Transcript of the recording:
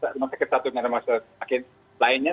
rumah sakit satu dan rumah sakit lainnya